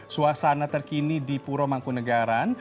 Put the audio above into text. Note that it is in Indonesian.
suasana terkini di puromangkunegara